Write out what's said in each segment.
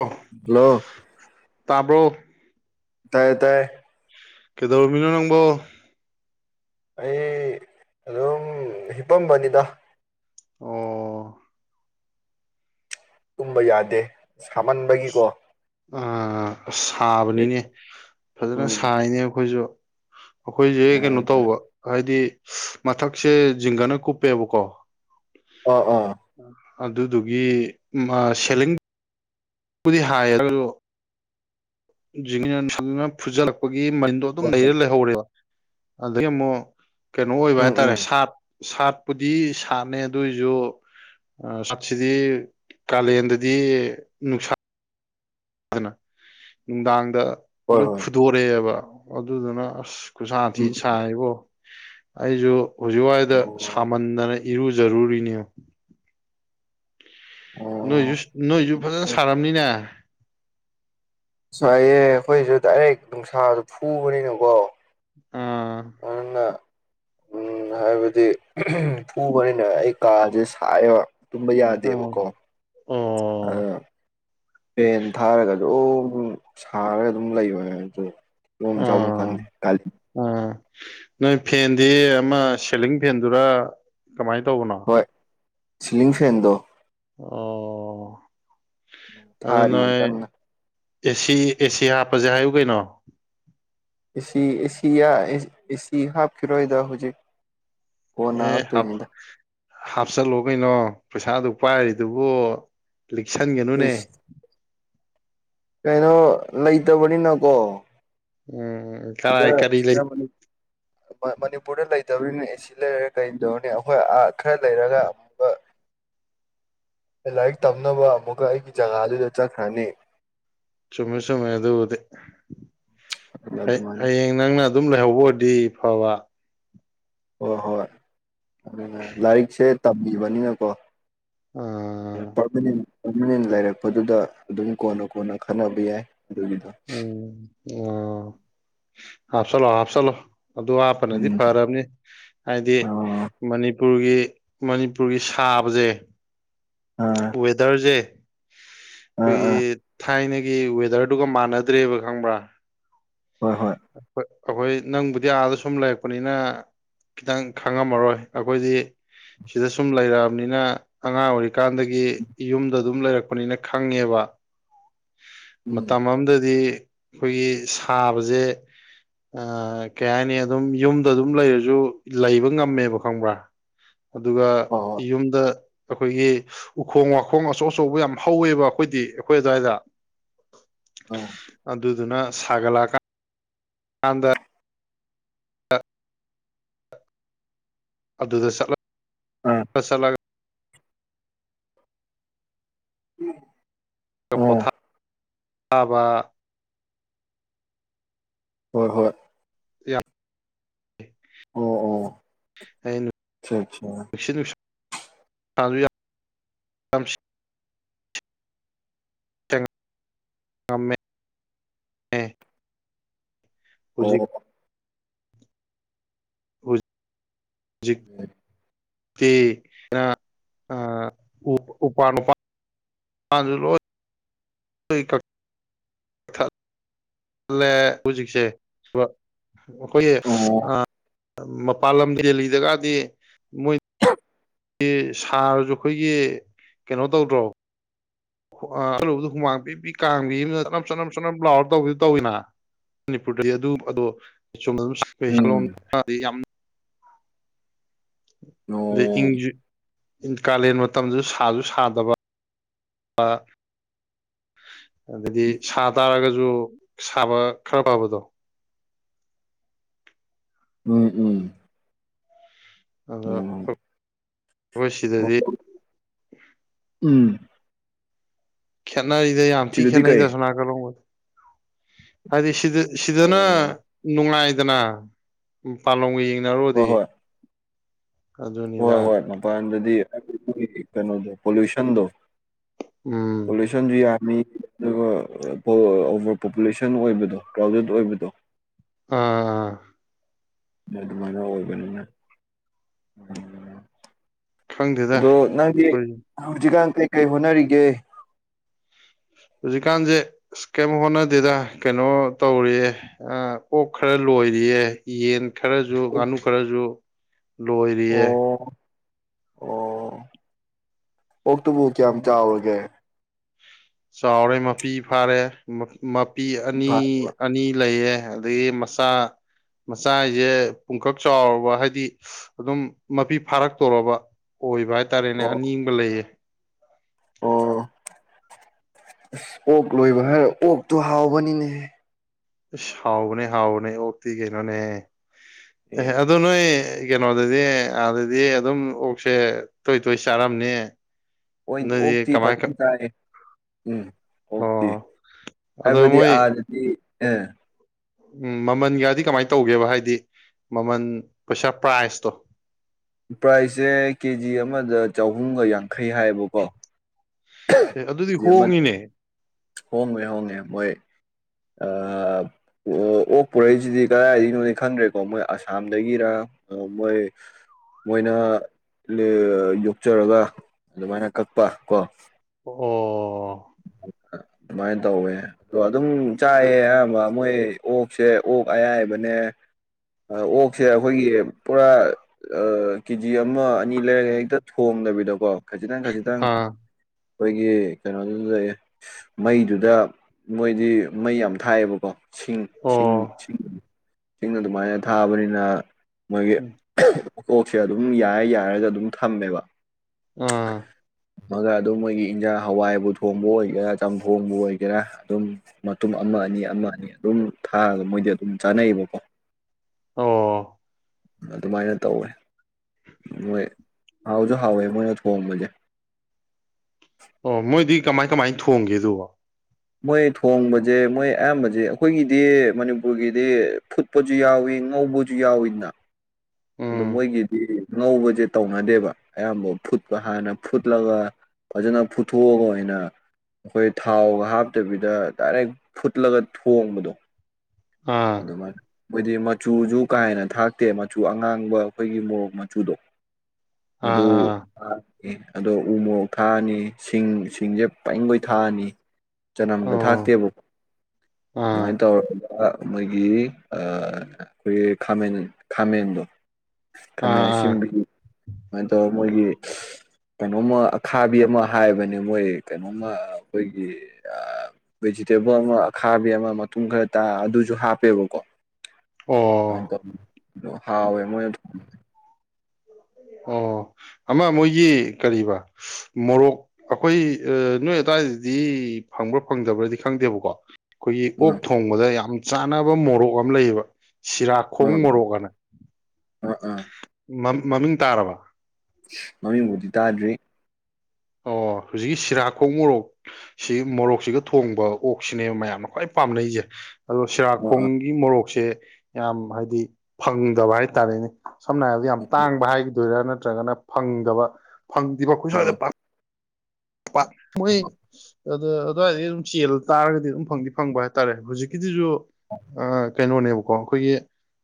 of [unintelligible] ꯍꯜꯂꫭ ꯇꯥꯕ꯭ꯔꯣ ꯇꯥꯏꯌꯦ ꯇꯥꯏꯌ‌ꯦ ꯀꯩꯗꯧꯔꯝꯃꯤꯅꯣ ꯅꯪꯕꯣ ꯑꯩ ꯑꯗꯨꯝ ꯍꯤꯄꯝꯕꯅꯤꯗ ꯑꯣ ꯇꯨꯝꯕ ꯌꯥꯗꯦ ꯁꯥꯃꯟꯕꯒꯤꯀꯣ ꯑꯥ‌ ꯑꯁ ꯁꯥꯕꯅꯤꯅꯦ ꯐꯖꯅ ꯎꯝ ꯁꯥꯏꯅꯦ ꯑꯩꯈꯣꯏꯁꯨ ꯑꯩꯈꯣꯏꯁꯦ ꯀꯩꯅꯣ ꯑꯥ ꯇꯧꯕ ꯍꯥꯏꯗꯤ ꯃꯊꯛꯁꯦ ꯖꯤꯡꯒꯅ ꯀꯨꯞꯄꯦꯕꯀꯣ ꯑꯣ ꯑꯥ ꯑꯗꯨꯗꯨꯒꯤ ꯑꯃꯥ ꯁꯦꯂꯤꯡ ꯄꯨꯗꯤ ꯍꯥꯏ ꯑꯗꫭꯔꯖꯨ ꯅ ꯐꯨꯖꯤꯜꯂꯛꯄꯒꯤ ꯃꯟꯗꯣ ꯑꯗꯨꯝ ꯍꯣꯏ ꯍꯣꯏ ꯂꯩꯔ ꯂꯩꯍꯧꯔꯦꯕ ꯑꯗꯒꯤ ꯑꯃꯨꯛ [unintelligible] ꯀꯩꯅꯣ ꯑꯣꯏꯕ ꯎꯝ ꯍꯥꯏꯇꯥꯔꯦ ꯎꯝ ꯁꯥꯠ ꯁꯥꯠꯄꯨꯗꯤ ꯁꯥꯠꯅꯦ ꯑꯗꯨꯏꯁꯨ ꯁꯤꯗꯤ ꯀꯥꯂꯦꯟꯗꯗꯤ ꯅꯨꯡꯁꯥ ꯑꯗꯨꯅ ꯅꯨꯡꯗꯥꯡꯗ ꯍꯣꯏ ꯂꯣꯏ ꯍꯣꯏ ꯐꯨꯗꯣꯔꯛꯑꯦꯕ ꯑꯗꯨꯗꯨꯅ ꯑꯁ ꯈꯨꯁꯥꯥ ꯎꯝ ꯊꯤꯅ ꯁꯥꯏꯕꯣ ꯑꯩꯁꯨ ꯍꯧꯖꯤꯛ ꯋꯥꯏꯗ ꯑꯣ ꯁꯥꯃꯟꯗꯅ ꯏꯔꯨꯖꯔꯨꯔꯤꯅꯦ ꯑꯣ ꯅꯣꯏꯁꯨ ꯅꯣꯏꯁꯨ ꯐꯖꯅ ꯁꯥꯔꯝꯅꯤꯅꯦ ꯑꯁ ꯍꯥꯏꯏꯌꯦ ꯑꯩꯈꯣꯏꯁꯨ ꯗꯥꯏꯔꯦꯛ ꯅꯨꯡꯁꯥꯁꯨ ꯐꯨꯕꯅꯤꯅꯀꯣ ꯎꯝ ꯑꯗꯨꯅ ꯎꯝ ꯍꯥꯏꯕꯗꯤ ꯐꯨꯕꯅꯤꯅ ꯑꯩ ꯀꯥꯁꯦ ꯁꯥꯏꯑꯦꯕ ꯇꯨꯝꯕ ꯑꯣ ꯌꯥꯗꯦꯕꯀꯣ ꯑꯣ ꯑꯗꫭ ꯐ‌ꯦꯟ ꯊꯥꯔꯒ ꯑꯗꯨꯝ ꯁꯥꯔꯒ ꯑꯗꯨꯝ ꯂꯩꯕ ꯑꯗꯨ ꯇꯨꯝꯐꯝ ꯆꯥꯕꯝ ꯑꯥ ꯈꯪꯗꯦ ꯀ ꯑꯥ ꯅꯣꯏ ꯐꯦꯟꯗꯤ ꯑꯃ ꯁꯦꯂꯤꯡ ꯐꯦꯟꯗꯨꯔ ꯀꯃꯥꯏꯅ ꯇꯧꯕꯅꯣ ꯍꯣꯏ ꯁꯤꯂꯤꯡ ꯐꯦꯟꯗꯣ ꯑꯣ ꯑꯥ ꯊꯥꯔꯤꯌꯦ ꯅꯥꯏ ꯀꯟꯅ ꯑꯦꯁꯤ ꯑꯦꯁꯤ ꯍꯥꯞꯄꯁꯦ ꯍꯥꯏꯌꯨ ꯀꯩꯅꯣ ꯑꯦꯁꯤ ꯑꯦꯁꯤ ꯑꯦꯁꯤ ꯍꯥꯞꯈꯤꯔꯣꯏꯗ ꯍꯧꯖꯤꯛ ꯀꯣꯟꯅ ꯑꯦ ꯍꯥꯞꯇꯣꯏꯅꯤꯗ ꯍꯥꯞꯆꯜꯂꯣ ꯀꯩꯅꯣ ꯄꯩꯁꯥ ꯑꯗꯨꯛ ꯄꯥꯏꯔꯤꯗꯨꯕꯨ ꯂꯤꯛꯁꯟꯒꯅꯨꯅꯦ ꯏꯁ ꯀꯩꯅꯣ ꯂꯩꯇꯕꯅꯤꯅꯀꯣ ꯑꯣ [unintelligible] ꯁꯤꯗ ꯁꯤꯗ ꯃꯅꯤ ꯃꯅꯤꯄꯨꯔꯗ ꯂꯩꯇꯧꯔꯤꯅꯤ ꯑꯦꯁꯤ ꯂꯩꯔꯒ ꯀꯩꯗꯧꯔꯤꯅꯤ ꯑꯩꯈꯣꯏ ꯑꯥ ꯈꯔ ꯂꯩꯔꯒ ꯑꯃꯨꯛꯀ [inaudible] ꯑꯦ ꯂꯥꯏꯔꯤꯛ ꯇꯝꯅꯕ ꯑꯃꯨꯛꯀ ꯑꯩꯒꯤ ꯖꯒꯥꯗꯨꯗ ꯆꯠꯈ꯭ꯔꯅꯤ ꯆꯨꯝꯃꯦ ꯆꯨꯝꯃꯦ ꯑꯗꯨꯕꯨꯗꯤ ꯍꯥ ꯑꯗꯨꯃꯥꯏꯅ ꯍꯥꯌꯦꯡ ꯅꯪꯅ ꯑꯗꯨꯝ ꯂꯩꯍꯧꯕ ꯑꯣꯏꯔꯗꯤ ꯐꯕ ꯍꯣꯏ ꯍꯣꯏ ꯑꯗꯨꯅ ꯂꯥꯏꯔꯤꯛꯁꯦ ꯇꯝꯃꯤꯕꯅꯤꯅꯀꯣ ꯑꯥ ꯎꯃꯤ [unintelligible] ꯑꯗꯨ ꯂꯩꯔꯛꯄꯗꯨꯗ ꯑꯗꯨꯝ ꯀꯣꯟꯅ ꯀꯣꯟꯅ ꯈꯟꯅꯕ ꯌꯥꯏ ꯑꯗꯨꯒꯤꯗꯣ ꯎꯝ ꯑꯣ ꯍꯥꯐ ꯆꯂꯣ ꯍꯥꯐ ꯆꯂꯣ ꯑꯗꯨ ꯍꯥꯞ ꯄꯅꯗꯤ ꯎꯝ ꯐꯥꯔꯥꯝꯅꯤ ꯍꯥꯏꯗꯤ ꯑ ꯃꯅꯤꯄꯨꯔꯒꯤ ꯃꯅꯤꯄꯨꯔꯒꯤ ꯁꯥꯕꯁꯦ ꯑ ꯋꯦꯗꯔꯁꯦ ꯑꯥ ꯑꯩꯈꯣꯏꯒꯤ ꯑꯥ ꯊꯥꯏꯅꯒꯤ ꯒꯤ ꯋꯦꯗꯔꯗꯨꯒ ꯃꯥꯟꯅꯗ꯭ꯔꯦꯕ ꯈꯪꯕ꯭ꯔꯥ ꯍꯣꯏ ꯍꯣꯏ ꯑꯩꯈꯣꯏ ꯅꯪꯕꯨꯗꯤ ꯑꯥꯗ ꯁꯨꯝ ꯂꯩꯔꯛꯄꯅꯤꯅ ꯈꯤꯇꯪ ꯈꯪꯉꯝꯃꯔꯣꯏ ꯑꯩꯈꯣꯏꯗꯤ ꯁꯤꯗ ꯁꯨꯝ ꯂꯩꯔꯛꯑꯕꯅꯤꯅ ꯑꯉꯥꯡ ꯑꯣꯏꯔꯤꯀꯥꯟꯗꯒꯤ ꯌꯨꯝꯗ ꯑꯗꯨꯝ ꯂꯩꯔꯛꯄꯅꯤꯅ ꯈꯪꯉꯦꯕ ꯎꯝ ꯃꯇꯝ ꯑꯃꯗꯗꯤ ꯑꯩꯈꯣꯏꯒꯤ ꯁꯥꯕꯁꯦ ꯑ ꯀꯩ ꯍꯥꯏꯅꯤ ꯑꯗꯨꯝ ꯌꯨꯝꯗ ꯑꯗꯨꯝ ꯂꯩꯔꯁꯨ ꯂꯩꯕ ꯉꯝꯃꯦꯕ ꯈꯪꯕ꯭ꯔꯥ ꯑꯗꯨꯒ ꯍꯣꯏ ꯍꯣꯏ ꯌꯨꯝꯗ ꯑꯩꯈꯣꯏꯒꯤ ꯎꯈꯣꯡ ꯋꯥꯈꯣꯡ ꯑꯆꯧ ꯑꯆꯧꯕ ꯌꯥꯝ ꯍꯧꯋꯦꯕ ꯑꯩꯈꯣꯏꯗꯤ ꯑꯩꯈꯣꯏ ꯑ꯭ꯋꯥꯏꯗ ꯑꯥ ꯑꯗꯨꯗꯨꯅ ꯁꯥꯒꯠꯂꯛꯑꯀꯥꯟ ꯀꯥꯟꯗ ꯑꯗꯨꯗ [unintelligible] ꯆꯠꯂꯒ ꯎꯝ [unintelligible] ꯄꫭꯊꯥꯕ ꯍꯣꯏ ꯍꯣꯏ ꯌꯥ [unintelligible] ꯑꯣ ꯑꯣ ꯑꯅ [unintelligible] ꯑꯆꯥ ꯑꯆꯥ [unintelligible] ꯁꯤ ꯅꯨꯡꯁ ꯌꯥ [unintelligible] ꯀꯃꯦ [unintelligible] ꯍꯧꯖꯤꯛ ꯑꯣ ꯎ [unintelligible] ꯖꯤꯛ ꯅ [unintelligible] ꯑ ꯎ [unintelligible] ꯎꯄꯥꯟ ꯎꯄꯥ ꯄꯥꯟꯖꯨ ꯂꯣꯏ ꯍ ꯀꯦ [unintelligible] [unintelligible] ꯂ‌ꯦ ꯍꯧꯖꯤꯛꯁꯦ ꯑꯩꯈꯣꯏꯒꯤ ꯎꯝ ꯑꯣ ꯑꯥ‌ ꯃꯄꯥꯟ ꯂꯝ ꯗꯦꯜꯂꯤꯗ ꯀꯗꯤ ꯃꯣꯏ ꯁꯥꯔꯁꯨ ꯑꯩꯈꯣꯏꯒꯤ ꯀꯩꯅꯣ ꯇꯧꯗ꯭ꯔꯣ ꯑꯂꯨꯕꯗ ꯍꯨꯃꯥꯡ ꯄꯤꯕꯤ ꯀꯥꯡꯕꯤ ꯑꯃ ꯆꯅꯝ ꯆꯅꯝ ꯆꯅꯝ ꯂꯥꯎꯔ ꯇꯧꯕꯤꯗꯨ ꯇꯧꯋꯤꯅ ꯃꯅꯤꯄꯨꯔꯗꯗꯤ ꯑꯗꯨ ꯑꯗꯣ [unintelligible] ꯁꯣꯝꯗ ꯑꯗꯨꯝ ꯎꯝ ꯌꯥꯝ ꯑꯗꯩ ꯏꯪꯁꯨ ꯀꯥꯂꯦꯟ ꯃꯇꯝꯗꯁꯨ ꯁꯥꯁꯨ ꯁꯥꯗꯕ ꯑ ꯑꯗꯗꯤ ꯁꯥ ꯇꯥꯔꯒꯁꯨ ꯁꯥꯕ ꯈꯔ ꯐꯕꯗꯣ ꯎꯝ ꯎꯝ ꯑꯗ ꯑꯈꫭꯏ‌ ꯁꯤꯗꯗꯤ ꯎꯝ ꯈꯦꯠꯅꯔꯤꯗ ꯌꯥꯝ ꯊꯤ ꯁꯤꯗꯗꯤ ꯈꯦꯠꯅꯩꯗ ꯀꯩ ꯑꯁꫭꯝ ꯍꯥꯏꯗꯤ ꯑꯣ ꯁꯤꯗꯅ ꯅꯨꯡꯉꯥꯏꯗꯅ ꯃꯄꯥꯂꯣꯡꯒ ꯍꯣꯏ ꯌꯦꯡꯅꯔꯨꯔꯗꯤ ꯍꯣꯏ ꯍꯣꯏ ꯑꯗꯨꯅꯤꯗ ꯍꯣꯏ ꯃꯄꯥꯟꯗꯗꯤ ꯀꯩꯅꯣꯗꯣ ꯄꯣꯂꯨꯁꯟꯗꯣ ꯎꯝ ꯄꯣꯂꯨꯁꯟꯁꯨ ꯌꯥꯝꯃꯤ ꯑꯗꯨꯒ ꯑꯣꯚꯔ ꯄꯣꯄꯨꯂꯦꯁꯟ ꯑꯣꯏꯕꯗꯣ ꯀ꯭ꯔꯥꯎꯗꯦꯠ ꯑꯣꯏꯕꯗꯣ ꯑꯥ ꯑꯗꯨꯃꯥꯏꯅ ꯑꯣꯏꯕꯅꯤꯅ ꯈꯪꯗꯦꯗ ꯑꯗꯣ ꯅꯪꯗꯤ ꯑꯩꯈꯣꯏ ꯍꯧꯖꯤꯛꯀꯥꯟ ꯀꯩꯀꯩ ꯍꯣꯠꯅꯔꯤꯒꯦ ꯍꯧꯖꯤꯛꯀꯥꯟꯁꯦ ꯑꯁ ꯀꯩꯝ ꯍꯣꯠꯅꯗꯦꯗ ꯀꯩꯅꯣ ꯇꯧꯔꯤꯌꯦ ꯑ ꯑꯣꯛ ꯈꯔ ꯂꯣꯏꯔꯤꯌꯦ ꯌꯦꯟ ꯈꯔꯁꯨ ꯉꯥꯅꯨ ꯈꯔꯁꯨ ꯑꯣ ꯂꯣꯏꯔꯤꯌꯦ ꯑꯣ ꯑꯣꯛꯇꯣꯕꯨ ꯀꯌꯥꯝ ꯆꯥꯎꯔꯒꯦ ꯆꯥꯎꯔꯦ ꯃꯄꯤ ꯐꯥꯔꯦ ꯃꯄꯤ ꯑꯅꯤ ꯐꯥꯕ ꯑꯅꯤ ꯂꯩꯌꯦ ꯑꯗꯒꯤ ꯃꯆꯥ ꯃꯆꯥ ꯍꯥꯏꯁꯦ ꯄꯨꯡꯈꯛ ꯆꯥꯎꯔꯕ ꯍꯥꯏꯗꯤ ꯑꯗꯨꯝ ꯃꯄꯤ ꯐꯥꯔꯛꯇꯣꯔꯕ ꯑꯣꯏꯕ ꯍꯥꯏꯇꯥꯔꯦꯅꯦ ꯑꯣ ꯑꯅꯤꯡ ꯑꯃꯒ ꯂꯩꯌꯦ ꯑꯣ ꯑꯁ ꯑꯣꯛ ꯂꯣꯏꯕ ꯍꯥꯏꯔ ꯑꯣꯛꯇꯣ ꯍꯥꯎꯕꯅꯤꯅꯦꯍ ꯍꯥꯎꯕꯅꯦ ꯍꯥꯎꯕꯅꯦ ꯑꯣꯛꯇꯤ ꯀꯩꯅꯣꯅꯦ ꯑꯦ ꯑꯗꯨ ꯅꯣꯏ ꯀꯩꯅꯣꯗꯗꯤ ꯑꯥꯗꯗꯤ ꯑꯗꯨꯝ ꯑꯣꯛꯁꯦ ꯇꯣꯏ ꯇꯣꯏ ꯆꯥꯔꯝꯅꯤ ꯅꯣꯏꯗꯤ ꯑꯣꯛꯇꯤ ꯀꯃꯥꯏ ꯐꯖ ꯆꯥꯏ ꯎꯝ ꯑꯣꯛꯇꯤ ꯑꯣ ꯑꯗꯣ ꯍꯥꯏꯕꯗꯤ ꯃꯣꯏ ꯑꯥꯗꯗꯤ ꯑꯦ ꯎꯝ ꯃꯃꯜ ꯒꯥꯗꯤ ꯀꯃꯥꯏꯅ ꯇꯧꯒꯦꯕ ꯍꯥꯏꯗꯤ ꯃꯃꯜ ꯄꯩꯁꯥ ꯄ꯭ꯔꯥꯏꯖꯇꯣ ꯄ꯭ꯔꯥꯏꯁꯁꯦ ꯀꯦꯖꯤ ꯑꯃꯗ ꯆꯍꯨꯝꯒ ꯌꯥꯡꯈꯩ ꯍꯥꯏꯌꯦꯕꯀꯣ ꯑꯦ ꯑꯗꯨꯗꯤ ꯍꯣꯡꯉꯤꯅꯦ ꯍꯣꯡꯕꯗꯤ ꯍꯣꯡꯉꯦ ꯃꯣꯏ ꯑꯥ ꯑꯣ ꯑꯣꯛ ꯄꯨꯔꯛꯏꯁꯤꯗꯤ ꯀꯗꯥꯏꯗꯒꯤꯅꯣ ꯈꯪꯗ꯭ꯔꯦꯀꯣ ꯃꯣꯏ ꯑꯁꯥꯝꯗꯒꯤꯔ ꯑ ꯃꯣꯏ ꯃꯣꯏꯅ ꯌꯣꯛꯆꯔꯒ ꯑꯗꯨꯃꯥꯏꯅ ꯀꯛꯄ ꯀꯣ ꯑꯣ ꯑꯗꯨꯃꯥꯏꯅ ꯇꯧꯋꯦ ꯑꯗꯣ ꯑꯗꯨꯝ ꯆꯥꯏꯑ ꯑꯌꯥꯝꯕ ꯃꯣꯏ ꯑꯣꯛꯁꯦ ꯑꯣꯛ ꯑꯌꯥꯏꯕꯅꯦ ꯑꯣꯛꯁꯦ ꯑꯩꯈꯣꯏꯒꯤ ꯄꯨꯔꯥ ꯀꯦꯖꯤ ꯑꯃ ꯑꯅꯤ ꯂꯩꯔꯛ ꯍꯦꯛꯇ ꯊꯣꯡꯗꯕꯤꯗꯀꯣ ꯈꯖꯤꯛꯇꯪ ꯈꯖꯤꯛꯇꯪ ꯑꯥ ꯑꯩꯈꯣꯏꯒꯤ ꯀꯩꯅꯣꯗꯨꯗ ꯃꯩ ꯃꯩꯗꯨꯗ ꯃꯣꯏꯗꯤ ꯃꯩ ꯌꯥꯝ ꯊꯥꯏꯌꯦꯕꯀꯣ ꯁꯤꯡ ꯑꯣ ꯁꯤꯡ ꯑꯗꯨꯃꯥꯏꯅ ꯊꯥꯕꯅꯤꯅ ꯃꯣꯏꯒꯤ ꯑꯣꯛꯁꯦ ꯑꯗꯨꯝ ꯌꯥꯔ ꯌꯥꯔꯒ ꯑꯗꯨꯝ ꯊꯝꯃꯦꯕ ꯑꯥꯝ ꯊꯥꯝꯃꯒ ꯑꯗꯨꯝ ꯃꯣꯏꯒꯤ ꯏꯟꯖꯥꯡ ꯍꯋꯥꯏꯕꯨ ꯊꯣꯡꯕ ꯑꯣꯏꯒꯦꯔꯥ ꯆꯝꯊꯣꯡꯕꯨ ꯑꯣꯏꯒꯦꯔꯥ ꯑꯗꯨꯝ ꯃꯇꯨꯝ ꯑꯃ ꯑꯅꯤ ꯑꯃ ꯑꯅꯤ ꯑꯗꯨꯝ ꯊꯥꯛꯑ ꯃꯣꯏꯗꯤ ꯑꯗꯨꯝ ꯆꯥꯅꯩꯑꯦꯕꯀꯣ ꯑꯣ ꯑꯗꯨꯃꯥꯏꯅ ꯇꯧꯋꯦ ꯃꯣꯏ ꯍꯥꯎꯁꯨ ꯍꯥꯎꯋꯦ ꯃꯣꯏꯅ ꯊꯣꯡꯕꯁꯦ ꯑꯣ ꯃꯣꯏꯗꯤ ꯀꯃꯥꯏ ꯀꯃꯥꯏ ꯊꯣꯡꯒꯦ ꯑꯗꯨꯕꯣ ꯃꯣꯏ ꯊꯣꯡꯕꯁꯦ ꯃꯣꯏ ꯑꯌꯥꯝꯕꯁꯦ ꯑꯩꯈꯣꯏꯒꯤꯗꯤ ꯃꯅꯤꯄꯨꯔꯒꯤꯗꯤ ꯐꯨꯠ ꯐꯨꯞꯄꯁꯨ ꯌꯥꯎꯋꯤ ꯉꯧꯕꯁꯨ ꯌꯥꯎꯋꯤꯅ ꯑꯗꯨ ꯎꯝ ꯃꯣꯏꯒꯤꯗꯤ ꯉꯧꯕꯁꯦ ꯇꯧꯅꯗꯦꯕ ꯑꯌꯥꯝꯕ ꯐꯨꯠꯄ ꯍꯥꯟꯅ ꯐꯨꯠꯂꯒ ꯐꯖꯅ ꯄꯨꯊꯣꯛꯑꯒ ꯑꯣꯏꯅ ꯑꯩꯈꯣꯏ ꯊꯥꯎꯒ ꯍꯥꯞꯇꯕꯤꯗ ꯗꯥꯏꯔꯦꯛ ꯐꯨꯠꯂꯒ ꯊꯣꯡꯕꯗꯣ ꯑꯥ ꯑꯗꯨꯃꯥꯏꯅ ꯃꯣꯢꯗꯤ ꯃꯆꯨꯁꯨ ꯀꯥ ꯍꯦꯟꯅ ꯊꯥꯛꯇꯦ ꯃꯆꯨ ꯑꯉꯥꯡꯕ ꯑꯩꯈꯣꯏꯒꯤ ꯃꯣꯔꯣꯛ ꯃꯆꯨꯗꯣ [unintelligible] ꯑꯗꯨ ꯊꯥꯛꯑꯅꯤ ꯑꯗꯣ ꯎꯃꯨꯔꯣꯛ ꯊꯥꯛꯑꯅꯤ ꯁꯤꯡ ꯁꯤꯡꯁꯦ ꯄꯩꯉꯩ ꯊꯥꯛꯑꯅꯤ ꯆꯅꯝꯒ ꯑꯣ ꯊꯥꯛꯇꯦꯕ ꯑꯥ ꯑꯗꯨꯃꯥꯏꯅ ꯇꯧꯔꯒ ꯃꯣꯏꯒꯤ ꯑꯩꯈꯣꯏꯒꯤ ꯈꯥꯃꯦꯟ ꯈꯥꯃꯦꯟꯗꯣ ꯑꯥ ꯈꯥꯃꯦꯟ ꯑꯁꯤ ꯑꯥ ꯑꯁꯤꯟꯕꯤ ꯁꯨꯃꯥꯏꯅ ꯇꯧꯔ ꯃꯣꯏꯒꯤ ꯀꯩꯅꯣꯝꯃ ꯑꯈꯥꯕꯤ ꯑꯃ ꯍꯥꯏꯕꯅꯦ ꯃꯣꯏ ꯀꯩꯅꯣꯃ ꯑꯩꯈꯣꯏꯒꯤ ꯚꯦꯖꯤꯇꯦꯕꯜ ꯑꯃ ꯑꯈꯥꯕꯤ ꯑꯃ ꯃꯇꯨꯡ ꯈꯔ ꯇ ꯑꯗꯨ ꯨ ꯑꯗꯨꯁꯨ ꯍꯥꯞꯄꯦꯕꯀꯣ ꯑꯣ ꯃꯥꯏ [unintelligible] ꯇꯧ ꯍꯥꯎꯋꯦ ꯃꯣꯏ ꯑꯗꯨ ꯑꯣ ꯑꯃ ꯃꯣꯏꯒꯤ ꯀꯔꯤꯕ ꯃꯣꯔꯣꯛ ꯑꯩꯈꯣꯏ ꯅꯣꯏ ꯑꯗꯨꯋꯥꯏꯗꯗꯤ ꯐꯪꯕ꯭ꯔꯥ ꯐꯪꯗꯕ꯭ꯔꯗꯤ ꯈꯪꯗꯦꯕꯀꯣ ꯑꯩꯈꯣꯏꯒꯤ ꯑꯣꯛ ꯊꯣꯡꯕꯗ ꯌꯥꯝ ꯆꯥꯅꯕ ꯃꯣꯔꯣꯛ ꯑꯃ ꯂꯩꯌꯦꯕ ꯁꯤꯔꯥꯈꯣꯡ ꯑꯥ ꯃꯣꯔꯣꯛꯑꯅ ꯑꯥ ꯑꯥ ꯃꯃꯤꯡ ꯇꯥꯔꯕ ꯃꯃꯤꯡꯕꯨꯗꯤ ꯇꯥꯗ꯭ꯔꯤ ꯑꯣ ꯍꯧꯖꯤꯛꯀꯤ ꯁꯤꯔꯥꯈꯣꯛ ꯃꯣꯔꯣꯛ ꯁꯤ ꯃꯣꯔꯣꯛꯁꯤꯒ ꯊꯣꯡꯕ ꯑꯣꯛꯁꯤꯅꯦꯕ ꯃꯌꯥꯝꯅ ꯈ꯭ꯋꯥꯏ ꯄꯥꯝꯅꯩꯁꯦ ꯑꯗꯣ ꯑꯥ ꯁꯤꯔꯥꯈꯣꯡꯒꯤ ꯃꯣꯔꯣꯛꯁꯦ ꯌꯥꯝ ꯍꯥꯏꯗꯤ ꯐꯪꯗꯕ ꯍꯥꯏꯇꯥꯔꯦꯅꯦ ꯁꯝꯅ ꯍꯥꯏꯔꯕꯗ ꯌꯥꯝ ꯑꯥ ꯇꯥꯡꯕ ꯍꯥꯏꯈꯤꯗꯣꯏꯔꯥ ꯅꯠꯇ꯭ꯔꯒꯅ ꯐꯪꯗꯕ ꯐꯪꯗꯦꯕ ꯑꯩꯈꯣꯢ ꯁꯨꯋꯥꯢꯗ ꯑꯣ ꯄꯥꯛ ꯄꯥꯛ ꯃꯣꯏ ꯑꯗ ꯑꯗꯨꯋꯥꯏꯗꯩ ꯑꯗꯨꯝ ꯆꯦꯜꯂ ꯇꯥꯔꯒꯗꯤ ꯑꯗꯨꯝ ꯐꯪꯗꯤ ꯐꯪꯕ ꯍꯥꯏꯇꯥꯔꯦ ꯍꯧꯖꯤꯛꯀꯤꯗꯤꯁꯨ ꯀꯩꯅꯣꯅꯦꯕꯀꯣ ꯑꯩꯈꯣꯏꯒꯤ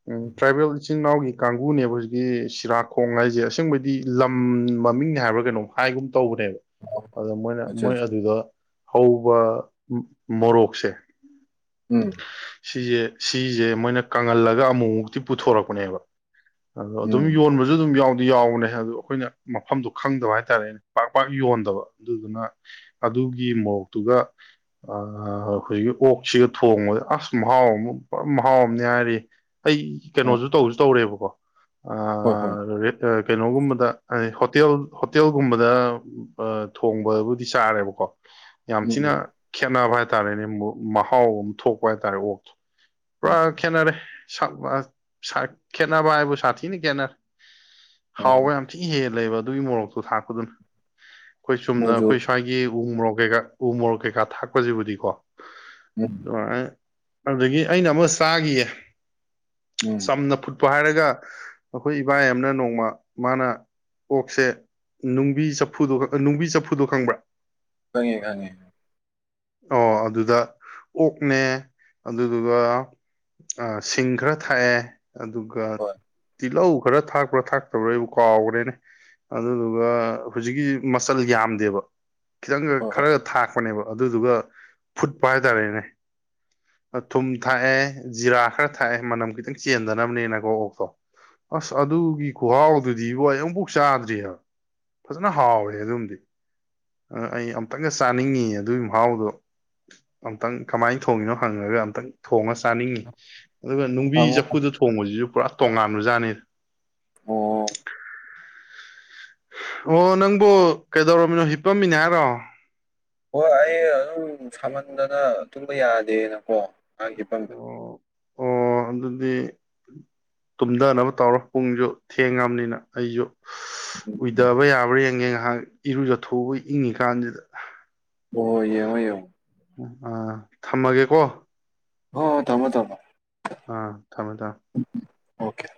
ꯎꯝ ꯇ꯭ꯔꯥꯏꯕꯦꯜ ꯏꯆꯤꯟ ꯏꯅꯥꯎꯒꯤ ꯀꯥꯡꯕꯨꯅꯦꯕ ꯍꯧꯖꯤꯛꯀꯤ ꯁꯤꯔꯥꯈꯣꯡ ꯍꯥꯏꯁꯦ ꯑꯁꯦꯡꯕꯩꯗꯤ ꯂꯝ ꯃꯃꯤꯡꯅꯦ ꯍꯥꯏꯕ꯭ꯔꯥ ꯀꯩꯅꯣꯝ ꯍꯥꯏꯒꯨꯝ ꯇꯧꯕꯅꯦꯕ ꯑꯗ ꯃꯣꯏꯅ ꯑꯠꯆꯥ ꯃꯣꯏ ꯑꯠꯆꯥ ꯑꯗꯨꯗ ꯍꯧꯕ ꯃꯣꯔꯣꯛꯁꯦ ꯎꯝ ꯁꯤꯁꯦ ꯁꯤꯁꯦ ꯃꯣꯏꯅ ꯀꯪꯍꯜꯂꯒ ꯑꯃꯨꯛ ꯃꯨꯛꯇꯤ ꯄꯨꯊꯣꯔꯛꯄꯅꯦꯕ ꯑꯗꯣ ꯑꯗꯨꯝ ꯎꯝ ꯌꯣꯟꯕꯁꯨ ꯑꯗꯨꯝ ꯌꯥꯎꯗꯤ ꯌꯥꯎꯕꯅꯦ ꯑꯗꯨꯗꯣ ꯑꯩꯈꯣꯏꯅ ꯃꯐꯝꯗꯣ ꯈꯪꯗꯕ ꯍꯥꯏꯇꯥꯔꯦꯅꯦ ꯄꯥꯛ ꯄꯥꯛ ꯌꯣꯟꯗꯕ ꯑꯗꯨꯗꯨꯅ ꯑꯗꯨꯒꯤ ꯃꯣꯔꯣꯛꯇꯨꯒ ꯍꯧꯖꯤꯛꯀꯤ ꯑꯣꯛꯁꯤꯒ ꯊꯣꯡꯕꯗ ꯑꯁ ꯃꯍꯥꯎ ꯑꯃ ꯃꯍꯥꯎ ꯑꯝꯅꯦ ꯍꯥꯏꯔꯤꯌꯦ ꯑꯩ ꯑꯣ ꯀꯩꯅꯣꯁꯨ ꯇꯧꯁꯨ ꯇꯧꯔꯦꯕꯀꯣ ꯍꯣꯏ ꯍꯣꯏ ꯑꯥ ꯑꯗꯨꯗꯩ ꯀꯩꯅꯣꯒꯨꯝꯕꯗ ꯍꯥꯢꯗꯤ ꯍꯣꯇꯦꯜ ꯍꯣꯇꯦꯜꯒꯨꯝꯕꯗ ꯑ ꯊꯣꯡꯕꯕꯨꯗꯤ ꯆꯥꯔꯦꯕꯀꯣ ꯌꯥꯝ ꯎꯝ ꯊꯤꯅ ꯈꯦꯠꯅꯕ ꯍꯥꯏꯇꯥꯔꯦꯅꯦ ꯃꯍꯥꯎ ꯊꯣꯛꯄ ꯍꯥꯏꯇꯥꯔꯦ ꯑꯣꯛꯇꯣ ꯎꯝ ꯎꯝ ꯄꯨꯔꯥ ꯈꯦꯠꯅꯔꯦ ꯁꯥꯛ ꯈꯦꯠꯅꯕ ꯍꯥꯏꯕꯨ ꯁꯥꯊꯤꯅ ꯈꯦꯠꯅꯔꯦ ꯍꯥꯎꯕ ꯑꯣ ꯌꯥꯝ ꯊꯤꯅ ꯍꯦꯜꯂꯕ ꯑꯗꯨꯒꯤ ꯃꯣꯔꯣꯛꯇꯣ ꯊꯥꯛꯄꯗꯨꯅ ꯑꯩꯈꯣꯏ ꯆꯨꯝꯅ ꯃꯣꯏꯁꯨ ꯑꯩꯈꯣꯏ ꯁ꯭ꯋꯥꯏ ꯒꯤ ꯎꯨ ꯃꯣꯔꯣꯛ ꯀꯩꯀꯥ ꯎꯨ ꯃꯣꯔꯣꯛ ꯀꯩꯀꯥ ꯊꯥꯛꯄꯁꯤꯕꯨꯗꯤꯀꯣ ꯎꯝ ꯑꯗꯨꯃꯥꯏꯅ ꯑꯗꯨꯗꯒꯤ ꯑꯩꯅ ꯑꯃ ꯆꯥꯈꯤꯌꯦ ꯎꯝ ꯆꯝꯅ ꯐꯨꯠ ꯄꯥꯏꯔꯒ ꯑꯩꯈꯣꯏ ꯏꯕꯥꯢ ꯑꯃꯅ ꯅꯣꯡꯃ ꯃꯥꯅ ꯑꯣꯛꯁꯦ ꯅꯨꯡꯕꯤ ꯆꯐꯨꯗꯣ ꯅꯨꯡꯕꯤ ꯆꯐꯨꯗꯣ ꯈꯪꯕ꯭ꯔꯥ ꯈꯪꯉꯦ ꯈꯪꯉꯦ ꯑꯣ ꯑꯗꯨꯗ ꯑꯣꯛꯅꯦ ꯑꯗꯨꯗꯨꯒ ꯁꯤꯡ ꯈꯔ ꯊꯥꯛꯑꯦ ꯑꯗꯨꯒ ꯍꯣꯏ ꯇꯤꯜꯂꯧ ꯈꯔ ꯊꯥꯛꯄ꯭ꯔꯥ ꯊꯥꯛꯇꯕ꯭ꯔꯥ ꯑꯩꯕꯨ ꯀꯥꯎꯈ꯭ꯔꯦꯅꯦ ꯑꯗꯨꯗꯨꯒ ꯍꯧꯖꯤꯛꯀꯤ ꯃꯆꯜ ꯌꯥꯝꯗꯦꯕ ꯈꯤꯇꯪꯒ ꯍꯣꯏ ꯍꯣꯏ ꯈꯔꯒ ꯊꯥꯛꯄꯅꯦꯕ ꯑꯗꯨꯗꯨꯒ ꯐꯨꯠꯄ ꯍꯥꯏꯇꯥꯔꯦꯅꯦ ꯑ ꯊꯨꯝ ꯊꯥꯛꯑꯦ ꯖꯤꯔꯥ ꯈꯔ ꯊꯥꯛꯑꯦ ꯃꯅꯝ ꯈꯤꯇꯪ ꯆꯦꯟꯗꯅꯕꯅꯦꯅꯀꯣ ꯑꯣꯛꯇꯣ ꯑꯁ ꯑꯗꯨꯒꯤ ꯈꯨꯍꯥꯎꯗꯨꯗꯤꯕꯣ ꯑꯩ ꯑꯃꯨꯛꯐꯥꯎ ꯆꯥꯗ꯭ꯔꯤ ꯍꯥꯏꯕ ꯐꯖꯅ ꯍꯥꯎꯋꯦ ꯑꯗꯨꯝꯗꯤ ꯑ ꯑꯩ ꯑꯝꯇꯪꯒ ꯆꯥꯅꯤꯡꯉꯤ ꯑꯗꯨꯏ ꯑꯍꯥꯎꯗꯣ ꯑꯝꯇꯪ ꯀꯃꯥꯏ ꯊꯣꯡꯉꯤꯅꯣ ꯍꯪꯉꯒ ꯑꯝꯇꯪ ꯊꯣꯡꯉ ꯆꯥꯅꯤꯡꯉꯤ ꯑꯗꯨꯒ ꯅꯨꯡꯕꯤ ꯍꯪꯉꯣ ꯆꯐꯨꯗ ꯊꯣꯡꯕꯖꯤꯖꯨ ꯄꯨꯔꯥ ꯇꯣꯉꯥꯟꯕꯖꯥꯠꯅꯤ ꯑꯣ ꯑꯣ ꯅꯪꯕꯨ ꯀꯩꯗꯧꯔꯝꯃꯤꯅꯣ ꯍꯤꯞꯄꯝꯃꯤꯅꯦ ꯍꯥꯏꯔꯣ ꯍꯣ ꯑꯩꯅ ꯑꯗꯨꯝ ꯁꯥꯃꯟꯗꯅ ꯇꯨꯝꯕ ꯌꯥꯗꯦꯅꯀꯣ ꯉꯍꯥꯛ ꯍꯤꯞꯄꯝ ꯑꯣ ꯑꯣ ꯑꯗꯨꯗꯤ ꯇꯨꯝꯗꯅꯕ ꯇꯧꯔꯣ ꯄꯨꯡꯁꯨ ꯊꯦꯡꯉꯝꯅꯤꯅ ꯑꯩꯖꯨ ꯑꯨꯏꯗꯕ ꯌꯥꯕ꯭ꯔꯥ ꯌꯦꯡꯉꯦ ꯉꯥꯍꯥꯛ ꯏꯔꯨꯖꯊꯣꯛꯎꯕꯩ ꯏꯪꯉꯤ ꯀꯥꯟꯁꯤꯗ ꯑꯣ ꯌꯦꯡꯉꯣ ꯌꯦꯡꯉꯣ ꯑꯥ ꯊꯝꯃꯒꯦꯀꯣ ꯍꯣ ꯊꯝꯃꯣ ꯊꯝꯃꯣ ꯑꯥ ꯊꯝꯃꯦ ꯊꯝꯃꯦ ꯎꯝ ꯎꯝ ꯑꯣꯀꯦ